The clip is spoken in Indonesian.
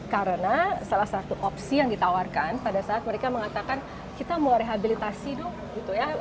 karena salah satu opsi yang ditawarkan pada saat mereka mengatakan kita mau rehabilitasi dong